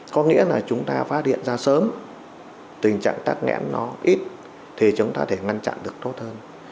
có nghĩa là chúng ta phát hiện ra sớm tình trạng tắc nghẽn nó ít thì chúng ta thể ngăn chặn được tốt hơn